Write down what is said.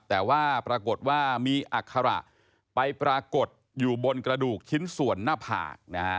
แต่ว่าปรากฏว่ามีอัคระไปปรากฏอยู่บนกระดูกชิ้นส่วนหน้าผากนะฮะ